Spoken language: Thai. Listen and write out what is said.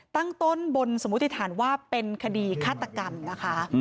ตั้งต้นบนสมมุติฐานว่าเป็นคดีฆาตกรรมนะคะ